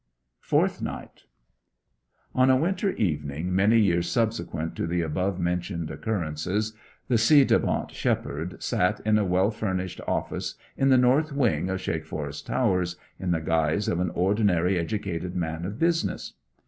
FOURTH NIGHT On a winter evening many years subsequent to the above mentioned occurrences, the ci devant shepherd sat in a well furnished office in the north wing of Shakeforest Towers in the guise of an ordinary educated man of business.